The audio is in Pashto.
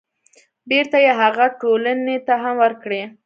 بېرته يې هغې ټولنې ته هم ورکړي.